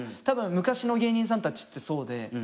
たぶん昔の芸人さんたちってそうで。